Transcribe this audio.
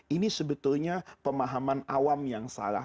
ini sebetulnya pemahaman awam yang salah